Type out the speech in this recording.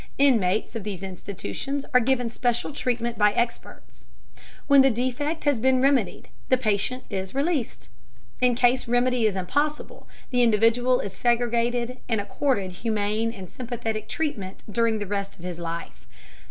Inmates of these institutions are given special treatment by experts. When the defect has been remedied, the patient is released; in case remedy is impossible, the individual is segregated and accorded humane and sympathetic treatment during the rest of his life.